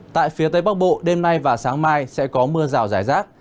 tại phía tây bắc bộ đêm nay và sáng mai sẽ có mưa rào rải rác